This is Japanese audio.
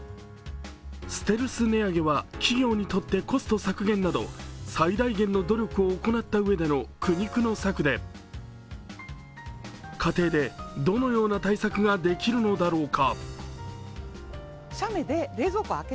ステルス値上げは企業にとってコスト削減など最大限の努力を行ったうえでの苦肉の策で、家庭でどのような対策ができるのだろうか。